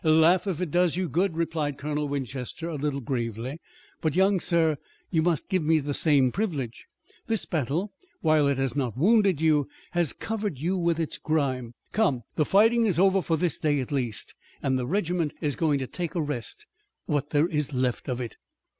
"Laugh if it does you good," replied Colonel Winchester, a little gravely, "but, young sir, you must give me the same privilege. This battle, while it has not wounded you, has covered you with its grime. Come, the fighting is over for this day at least, and the regiment is going to take a rest what there is left of it."